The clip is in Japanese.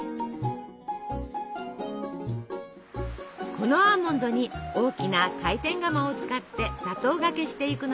このアーモンドに大きな回転釜を使って砂糖がけしていくのです。